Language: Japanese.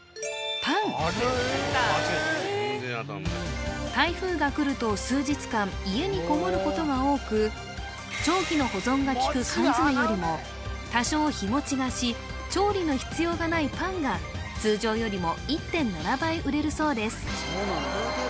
パン台風が来ると数日間家にこもることが多く長期の保存がきく缶詰よりも多少日持ちがし調理の必要がないパンが通常よりも１．７倍売れるそうです